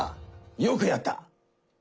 よくやった！